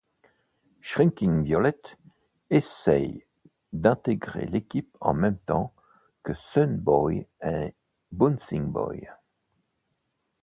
Shrinking Violet essaie d'intégrer l'équipe en même temps que Sun Boy & Bouncing Boy.